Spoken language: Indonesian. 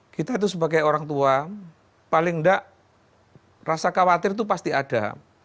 kita itu sebagai orang tua paling enggak rasa khawatir itu pasti ada